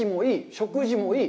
食事もいい！